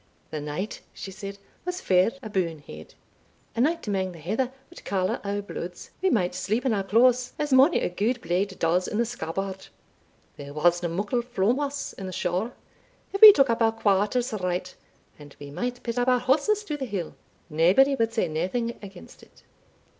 "The night," she said, "was fair abune head a night amang the heather wad caller our bloods we might sleep in our claes, as mony a gude blade does in the scabbard there wasna muckle flowmoss in the shaw, if we took up our quarters right, and we might pit up our horses to the hill, naebody wad say naething against it."